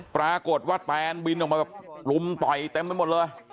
ปรากฏว่าแตนบินออกมาแบบลุมต่อยเต็มไปหมดเลย